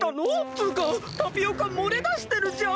つうかタピオカもれだしてるじゃん！